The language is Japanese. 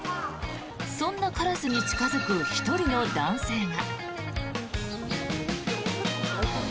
そんなカラスに近付く１人の男性が。